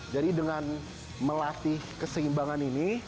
dengan melatih keseimbangan ini